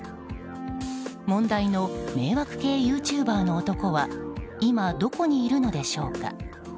問題の迷惑系ユーチューバーの男は今、どこにいるのでしょうか。